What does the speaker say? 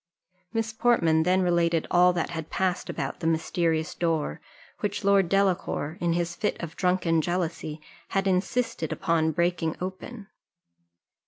Miss Portman then related all that had passed about the mysterious door, which Lord Delacour, in his fit of drunken jealousy, had insisted upon breaking open.